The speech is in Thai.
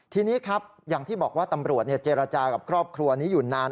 ทีนี้ครับอย่างที่บอกว่าตำรวจเจรจากับครอบครัวนี้อยู่นาน